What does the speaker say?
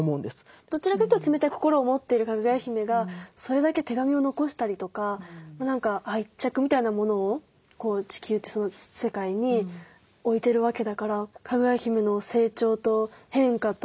どちらかというと冷たい心を持っているかぐや姫がそれだけ手紙を残したりとか何か愛着みたいなものを地球というその世界に置いてるわけだからシーンですよね